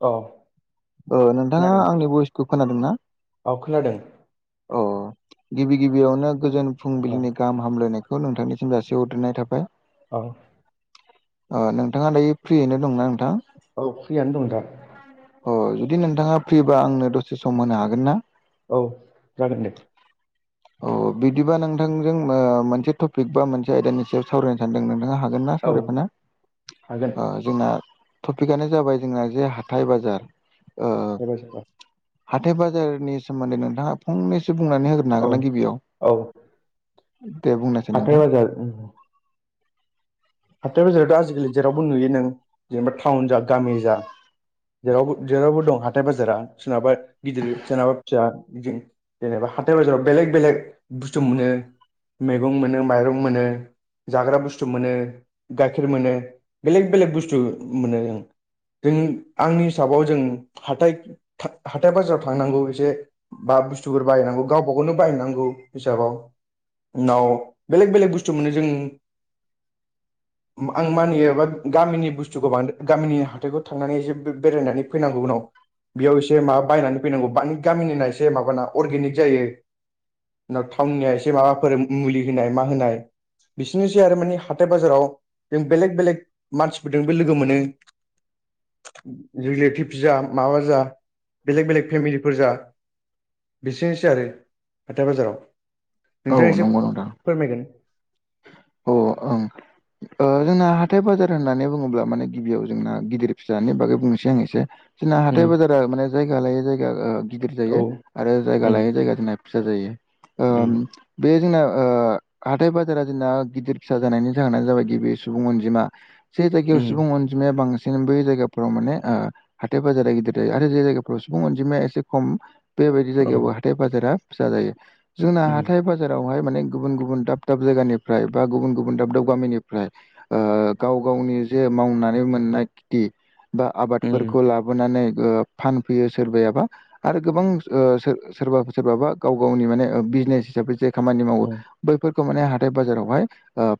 औ नोंथाङा खोनादों आंनि बयसखौ खोनादों ना औ खोनादों औ गिबि गिबियावनो गोजोन औ फुंबिलिनि गाहाम हामलायनायखौ नोंथांनिसिम जासि हरग्रोनाय थाबाय। औ नोंथाङा दायो फ्रियैनो दंना नोंथां? औ फ्रियानो दं दा अ जुदि नोंथाङा फ्रिबा आंनो दसे सम होनो हागोन ना औ जागोन दे औ बिदिबा नोंथांजों मोनसे टपिक बा मोनसे आयदानि सायाव सावरायनो सानदों नोंथाङा हा- हागोनना औ सावरायफानो? हागोन औ जोंना टपिकआनो जाबाय जोंना जे हाथाइ बाजार हाथाय बाजाराव हाथाय बाजारनि सोमोन्दै नोंथाङा फंनैसो बुंनानै होग्रो औ हागोन ना गिबियाव दे बुंनायसाय नोंथां हाथाइ बाजार हाथाय बाजाराथ' आजिखालि जेरावबो नुयो नों जेनेबा टाउन जा गामि जा जेराव जेरावबो दं हाथाय बाजारा सोरनाबा गिदिर सोरनाबा फिसा बिदि जेनेबा हाथाय बाजाराव बेलेग बेलेग बुस्थु मोनो मैगं मोनो माइरं मोनो जाग्रा बुस्थु मोनो गाइखेर मोनो बेलेग बेलेग बुस्थुबो मोनो जों जों आंनि हिसाबाव जों हाथाइ हाथाय बाजाराव थांनांगौ एसे बा बुस्थुफोर बाहायनांगौ गावबा गावनो बाहायनांगौ हिसाबाव उनाव बेलेग बेलेग बुस्थु मोनो जों आं मानियो बा गामिनि बुस्थुखौ बां- गामिनि हाथाइखौ थांनानै एसे बेरायनानै फैनांगौ उनाव बेयाव एसे माबा बायनानै फैनांगौानि गामिनिना एसे माबाना अर्गेनिक जायो। थावननिया एसे माबाफोर मुलि होनाय मा होनाय बिसोरनोसै आरो माने हा हाथाय बाजाराव जों बेलेग बेलेग मानसिफोरजों बो लोगो मोनो रिलेटिभस जा माबा जा बेलेक बेलेग फेमिलिफोर जा बिसोरनोसै आरो हाथाय बाजाराव औ नोंथाङा एसे नंगौ नोंथां फोरमायगोन औ ओं जोंना हाथाय बाजार होननानै बुङोब्ला माने गिबियाव जोंना गिदिर फिसानि बागै बुंनोसै आं एसे जोंना उम हाथाय बाजारा माने जायगा लायै जायगा गिदिर औ जायो आरो जायगा उम लायै जायगा जोंना फिसा जायो उम बे जोंना हाथाय बाजारा जोंना गिदिर फिसा जानायनि जाहोनानो जाबाय गिबि सुबुं अनजिमा बेबायदियाव उम सुबुं अनजिमाया बाङो सि बै जायगाफ्राव माने हाथाय बाजारा गिदिर जायो आरो जे जायगाफ्राव सुबुं अनजिमाया एसे खम बेबायदि औ जायगायावबो हाथाय बाजारा फिसा जायो जोंना उम हाथाय बाजारावहाय माने गुबुन गुबुन दाब दाब जायगानिफ्राय बा गुबुन गुबुन दाब दाब गामिनिफ्राय ओ गाव गावनि जे मावनानै मोननाय खेथि बा उम आबादफोरखौ लाबोनानै फानफैयो सोरबायाबा आरो गोबां सोरबा सोरबाबा गाव गावनि माने बिजनेस हिसाबै जे खामानि मावो उम बैफोरखौ माने हाथाय बाजारावहाय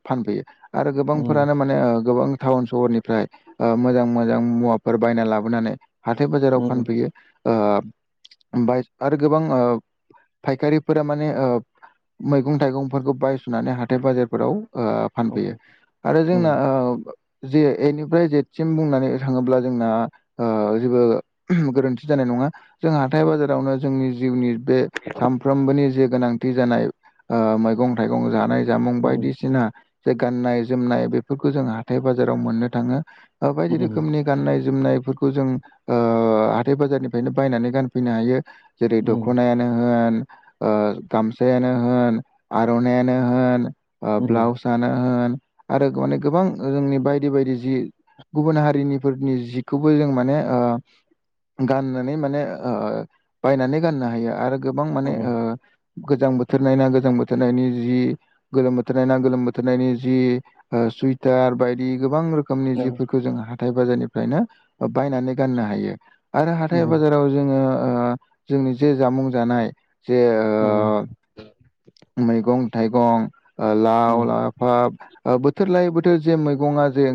फानबोयो आरो गोबांफोरानो माने गोबां टाउन सहरनिफ्राय मोजां मोजां मुवाफोर बायना लाबोनानै हाथाय बाजाराव उम उम फानफैयो आरो गोबां फायखारिफोरा माने मैगं थाइगंफोरखौ बायस'नानै हाथाय बाजारफोराव औ फानफैयो आरो जोंना उम जे एनिफ्राय जेद सिम बुंनानै थाङोब्ला जोंना जेबो गोरोन्थि जानाय नङा जों हाथाय बाजारावनो जोंनि जिउनि बे सानफ्रोमबोनि जे गोनांथि जानाय मैगं थाइगं जानाय जामुं उम बायदिसिना जे गान्नाय जोमनाय बेफोरखौ जों हाथाय बाजाराव मोननो थाङो बायदि उम उम रोखोमनि गाननाय जोमनायफोरखौ जों ओ हाथाय बाजारनिफ्रायनो बायनानै गानफैनो हायो जेरै उम दख'नायानो होन गामसायानो होन आर'नायानो होन उम ब्लाउस जानो होन आरो माने गोबां जोंनि बायदि बायदि जि गुबुन हारिनिफोरनि जिखौबो जों माने गाननानै माने बायनानै गाननो हायो आरो गोबां औ माने उम गोजां बोथोर ना गोजां बोथोरनायनि जि गोलोम बोथोरनाय ना गोलोम बोथोरनायनि जि सुइटार बायदि गोबां रोखोम रोखोमनि जिफोरखौ जों हाथाय बाजारनिफ्रायनो बायनानै गाननो हायो आरो हाथाय उम बाजाराव जोङो जोंनि जे जामुं जानाय जे उ ओ मैगं थाइगं लाव लाफा बोथोर लायै बोथोर जे मैगंआ जे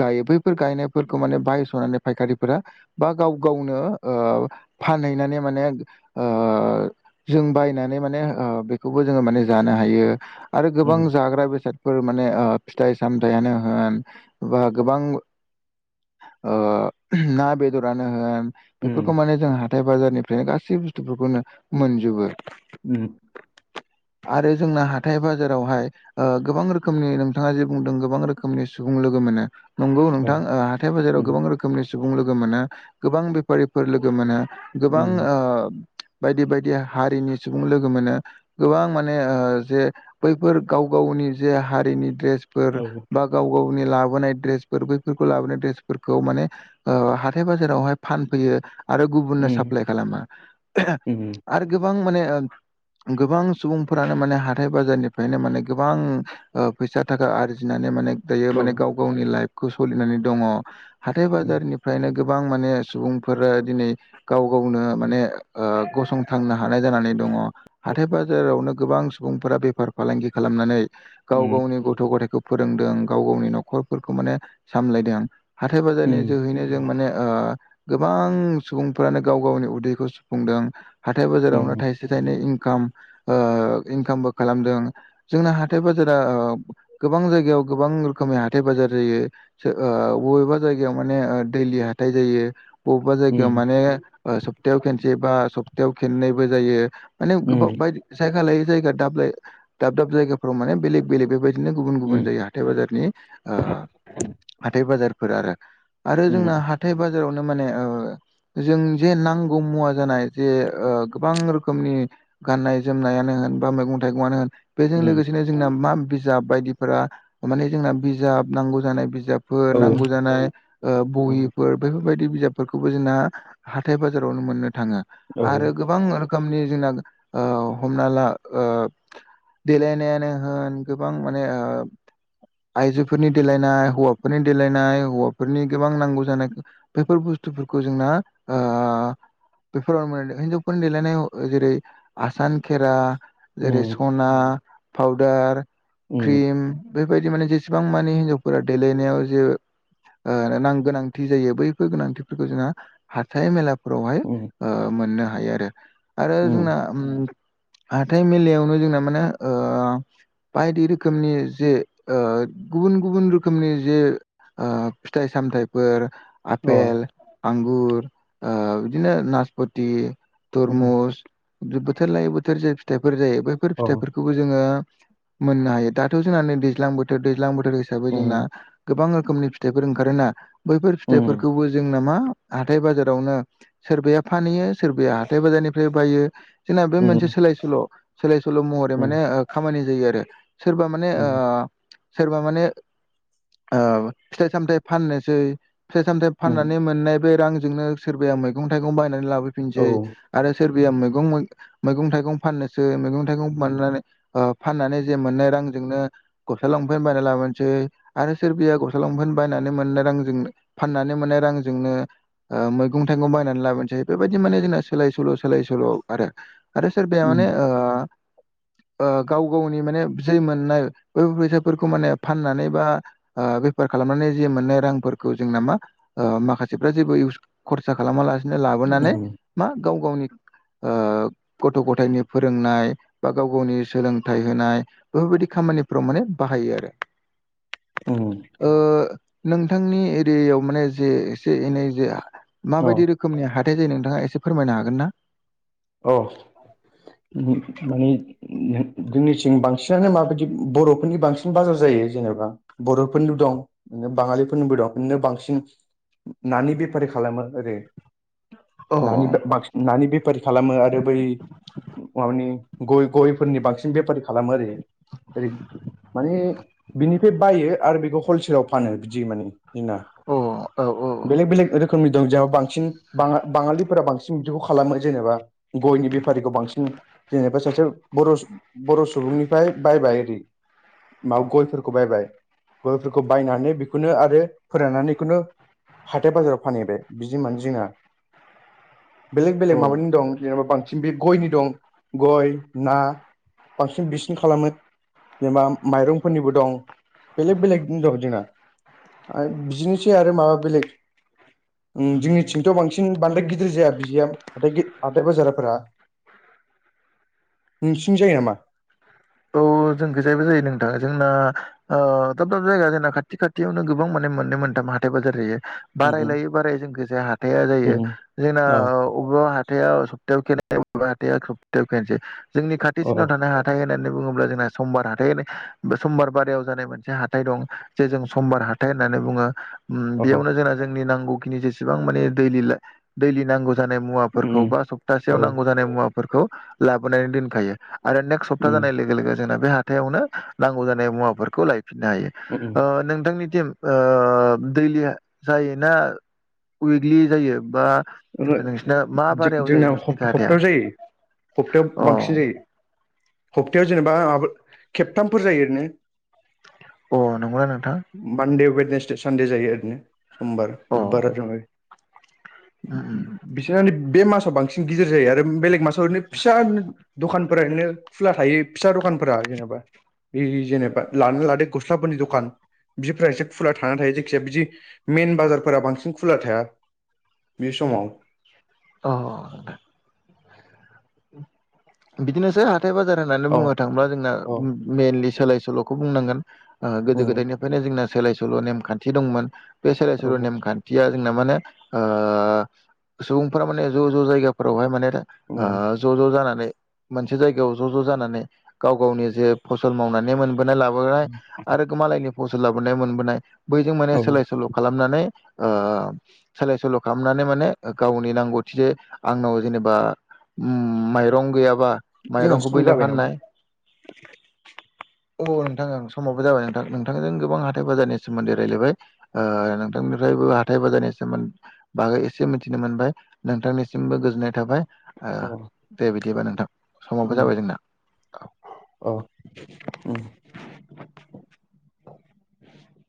गायो बैफोर गायनायफोरखौ माने बायस'नानै फायखारिफोरा एबा गाव गावनो फानहैनानै माने ओ जों बायनानै माने बेखौबो जोङो माने जानो हायो आरो गोबां उम जाग्रा बेसाद फोर माने फिथाइ सामथायानो होन बा गोबां ना बेदरानो होन बेफोरखौ माने जों हाथाय बाजारनिफ्रायनो गासै बुस्थुफोरखौनो मोनजोबो उ आरो जोंना हाथाय बाजारावहाय गोबां रोखोमनि नोंथाङा जे बुंदों गोबां रोखोमनि सुबुं लोगो मोनो नंगौ औ नोंथां ओ हाथाय बाजाराव उम गोबां रोखोमनि सुबुं लोगो मोना गोबां बेफारिफोर लोगो मोना गोबां ओ उम बायदि बायदि हारिनि सुबुं लोगो मोनो। गोबां माने ओ जे बैफोर गाव गावनि जे हारिनि ड्रेसफोर औ उम औ बा गाव गावनि लाबोनाय ड्रेसफोर बैफोरखौ लाबोनाय ड्रेसफोरखौ माने ओ हाथाय बाजारावहाय फानफैयो। आरो गुबुननो साप्लाय उम खालामै आरो गोबां माने गोबां सुबुंफोरानो माने हाथाय बाजारनिफ्रायनो माने गोबां ओ फैसा थाखा आरजिनानै माने दायो माने गाव गावनि लाइफखौ सलिनानै दङ। हाथाय बाजारनिफ्रायनो गोबां माने सुबुंफोरा दिनै गाव गावनो माने ओ गसंथांनो हानाय जानानै दङ। हाथाय बाजारावनो गोबां सुबुंफोरा बेफार फालांगि खालामनानै गाव गावनि उम गथ' गथायखौ फोरोंदों गाव गावनि न'खरफोरखौ माने सामलायदों। हाथाय उम बाजारनि जोहैनो जों माने ओ गोबां सुबुंफ्रानो गाव गावनि उदैखौ सुफुंदों हाथाय बाजारावनो थाइसे थाइनै इं काम ओ इनकामबो खालामदों जोंना हाथाइ बाजारा ओ गोबां जायगायाव गोबां रोखोमनि हाथाय बाजार जायो सो ओ बबेबा जायगायाव माने दैलि हाथाय जायो। बबेबा उम जायगायाव माने ओ सप्तायाव खेनसे बा सप्तायाव खेननैबो जायो। माने गोबां उम बायदि जायगा लायै जायगा दाब लाय दाब दाब जायगाफोराव माने बेलेग बेलेग बे बायदि बिदिनो गुबुन गुबुन जायो हाथाय बाजारनि आ हाथाय बाजारफोर आरो। आरो जोंना हाथाय बाजारावनो माने ओ जों जे नांगौ मुवा जानाय जे ओ गोबां रोखोमनि गाननाय जोमनायानो होन बा मैगं थाइगंआनो होन बेजों लोगोसेनो जोंना मा बिजाब बायदिफोरा माने जोंना बिजाब नांगौ जानाय बिजाब फोर औ नांगौ जानाय ओ उम बहिफोर बेफोरबायदि बिजाबफोरखौबो जोंना हाथाय बाजारावनो मोननो थाङो। औ आरो गोबां रोखोमनि जोंना ओ हमना ला ओ देलायनायानो होन गोबां माने ओ आइजोफोरनि देलायनाय हौवाफोरनि देलायनाय हौवाफोरनि गोबां नांगौ जानायखौ बेफोर बुस्थुफोरखौ जोंना ओ बेफोरावनो मोनदों हिनजावफोरनि देलायनायाव जेरै आसान खेरा जेरै सना पाउदार क्रिम बेबायदि माने जेसेबां माने हिन्जावफोरा देलायनायाव जे ओ नां गोनांथि जायो बैफोर गोनांथिफोरखौ जोंहा हाथाय मेलाफोरावहाय ओ मोननो हायो आरो आरो जोंना उम हाथाय मेलायावनो जोंना माने ओ बायदि रोखोमनि जे ओ गुबुन गुबुन रोखोमनि जे ओ फिथाइ सामथायाइफोर आपेल, आंगुर बिदिनो ओ नासपथि, तरमुस बोथोर लायो बोथोर जायो फिथाइफोर जायो बैफोर फिथाइफोरखौ खौबो जोङो मोननो हायो दाथ जोंना नै दैज्लां बोथोर दैज्लां बोथोर हिसाबै जोंना गोबां रोखोमनि फिथाइफोर ओंखारोना बैफोर फिथाइफोरखौबो जों नामा हाथाय बाजारावनो सोरबाया फानहैयो सोरबाया हाथाय बाजारनिफ्राय बायो जोंना बे मोनसे सोलाय सोल सोलाय सोल महरै माने खामानि जायो आरो सोरबा माने ओ सोरबा माने ओ फिथाइ सामथाय फाननोसै फिथाइ सामथाइ फाननानै मोननाय बे रांजोंनो सोरबाया मैगं थाइगं बायनानै लाबोफिनसै आरो सोरबाया मैगं मैगं थाइगं फाननोसै मैगं थाइगं फाननानै ओ फाननानै जे मोननाय रांजोंनो गस्ला लंपेन बायना लाबानोसै आरो सोरबिया गस्ला लंफेन बायनानै मोननो रांजोंनो फाननानै मोननाय रांजोंनो मैगं थायगं बायनानै लाबोनोसै बेबायदि माने जोंना सोलाय सोल' सोलाय सोल'आव आरो आरो सो बे माने गाव गावनि माने जै मोननाय बैफोर फैसाफोरखौ माने फाननानै बा बेफार खालामनानै जे मोननाय रांफोरखौ जोंना मा माखासेफ्रा जेबो इउस खरसा खालामालासिनो लाबोनानै मा गाव गावनि गथ' गथायनि फोरोंनाय बा गाव गावनि सोलोंथाइ होनाय। बेफोर बायदि खामानिफोराव माने बाहायो आरो नोंथांनि एरियायाव माने जे एसे एनै जे माबायदि रोखोमनि हाथाय जायो नोंथाङा एसे फोरमायनो हागोन ना? औ माने जोंनिथिं बांसिन बिसिनानो माबायदि बर'फोरनि बांसिन बाजार जायो जेनेबा बर'फोरनिल' दं। बाङांलिफोरनिबो दं बिनो बांसिन नानि बेफारि खालामो ओरै अ बसिन नानि बेफारि खालामो आरो बै माबानि गय गयफोरनि बांसिन बेफारि खालामो आरो ओरै माने बिनिफ्राय बायो आरो बेखौ हलसेलाव फानो बिदि माने जोंना। अ औ औ। बेलेग बेलेग रोखोमनि दं जेनबा बांसिन बाङांलिफोरा बांसिन बिदिखौ खालामो जेनेबा गयनि बेफारिखौ बांसिन जेनेबा सासे बर' बर' सुबुंनिफ्राय बायबाय आरि माबा गयफोरखौ बायबाय गयफोरखौ बायनानै बेखौनो आरो फोराननानैखौनो हाथाय बाजाराव फानहैबाय बिदि मानो जिंना बेलेग बेलेग औ माबानि दं जेनबा बांसिन बे गयनि दं गय ना बांसिन बिसिन खालामो जेनेबा माइरंफोरनिबो दं बेलेग बेलेगनो दं जोंना बिदिनोसै आरो माबा बेलेग जोंनिथिंथ' बांसिन बांद्राय गिदिर जाया बिआ बिथाय हाथाय बाजाराफोरा नोंसिनि जायो नामा? औ जों गोजायैबो जायो नोंथांङा जोंना दाब दाब जायगा जोंना खाथि खाथियावनो गोबां माने मोननै मोनथाम हाथाय बाजार जायो‌। बाराय लायै बाराय जोंखौ जाया हाथाइ जायो जोंना औ अबेबा हाइाव सप्तायाव खबेबा हा सप्तायाव खनोसै जोंनि खाथिसिनाव औ थानाय हाथाइ होननानै होननानै बुंङोब्ला जोंना समबार हाथाइ समबार बारयाव जानाय मोनसे हाथाइ दं जे जों समबार हा थाइ होननानै बुंङो ओहो बेयावनो जोंना जोंनि नांगौखिनि जेसेबां मान दै दैलि नांगौ जानाय मुवाफोरखौ बा सप्तासेयाव नांगौ जानाय मुवाफोरखौ लाबोनायानै दोनखायो आरो सोबथा जानाय लोगो लोगो जोंना बे हाथायावनो नांगौ जानाय मुवाफोरखौ लायफिननो हायो। नोंथांनि टिम दैलि जायोना उइकलि जायो बा। नोंसिना मा बारायाव जायो जोंना नोंसिनिखै हाथाया हप्तायाव जायो हप्तायाव अ बांसिन जायो। हप्तायाव जेनेबा माबा खेबथामफोर जायो ओरैनो। अ नंगौ नोंथां मानदे वेदनेसडे सानडे जायो ओरैनो समबार अ बुधबार उम उम बिसोर बे मासाव बांसिन गिदिर जायो आरो बेलेग मासाव ओरैनो फिसा दखान रैनो खुला थायो फिसा दखानफोरा जेनेबा बे जेनेबा लानानै लादो गस्लाफोरनि दखान बिदिफोरा एसे खुला थानानै थायो जायखिजाया बिदि मेन बाजारफोरा बांसिन खुला थाया। बे समाव अ बिदिनोसै हाथथाय बाजार होननानै औ बुंनो थांङोब्ला जोंना औ मइेनलि सोलाय सोल'खौ बुंनांगोन। गोदो उम गोदायनिफ्रायनो जोंना सोलाय सोल' नेमखान्थि दंमोन बे सोलाय सोल' औ नेमखान्थि थिया जोंना माने सुबुंफोरा माने ज' ज' जायगाफोरावहाय माने। उम ज' ज' जानानै मोनसे जायगायाव ज' ज' जानानै गाव गावनि जे फसल मावनानै मोनबोनाय लाबोनाय आरो मालायनि फसल लाबोनाय मोनबोनाय। बैजों माने औ सोलाय सोल' खालामनानै सोलाय सोल' खालामनानै माने गावनि नांगौथि जे आंनाव जेनेबा। उम माइरं गैयाबा जोंहा माइरंखौ सम बनो जाबाय नामा फाननाय। औ नोंथां समावबो जाबाय नोंथां नोंथांजों गोबां हाथाय बाजारनि सोमोन्दै रायज्लायबाय नोंथांनिफ्रायबो हाथाय बाजारनिसोमोन। बागै एसे मिथिनो मोनबाय नोंथांनिसिमबो गोजोननाय थाबाय अ दे बिदिबा नोंथां समावबो उम जाबाय जोंना औ। अ